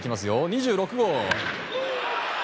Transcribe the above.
２６号！